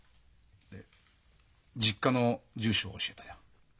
で実家の住所を教えたよ。